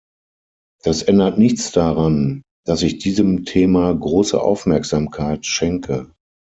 Das ändert nichts daran, dass ich diesem Thema große Aufmerksamkeit schenke.